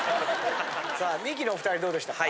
さあミキのお２人どうでしたか？